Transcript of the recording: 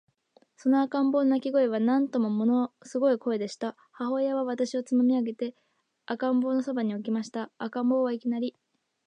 その赤ん坊の泣声は、なんとももの凄い声でした。母親は私をつまみ上げて、赤ん坊の傍に置きました。赤ん坊は、いきなり、